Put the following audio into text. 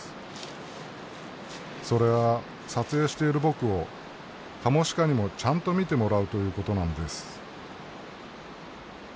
それは撮影している僕をカモシカにもちゃんと見てもらうということなんです。